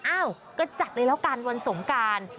อ้าวก็จัดเลยแล้วกันวันสงการ